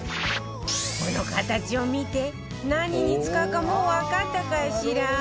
この形を見て何に使うかもうわかったかしら？